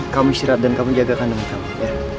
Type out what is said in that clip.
kamu istirahat dan kamu jaga kandang kamu ya